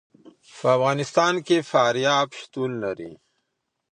په افغانستان کې فاریاب شتون لري.